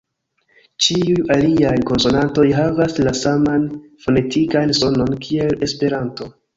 Ĉiuj aliaj konsonantoj havas la saman fonetikan sonon kiel Esperanto